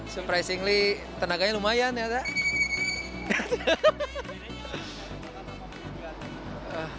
supresingly tenaganya lumayan ya teg